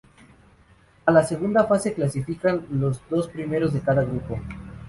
A la segunda fase clasifican los dos primeros de cada grupo.